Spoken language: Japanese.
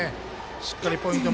しっかりポイント